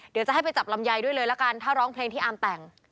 เดี๋ยวจะให้ไปจับลำไยด้วยเลยละกันถ้าร้องเพลงที่อาร์มแต่ง